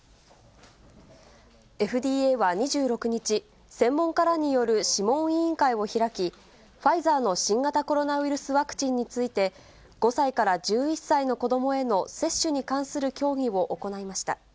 ＦＤＡは２６日、専門家らによる諮問委員会を開き、ファイザーの新型コロナウイルスワクチンについて、５歳から１１歳の子どもへの接種に関する協議を行いました。